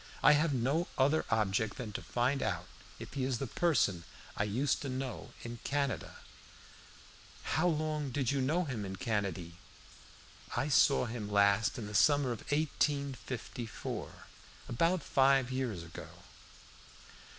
I have no other object than to find out if he is the person I used to know in Canada." "How long ago did you know him in Canady?" "I saw him last in the summer of 1854 about five years ago."